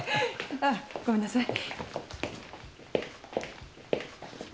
あっごめんなさい。